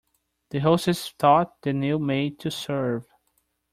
The hostess taught the new maid to serve.